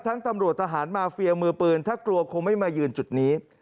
ตำรวจทหารมาเฟียมือปืนถ้ากลัวคงไม่มายืนจุดนี้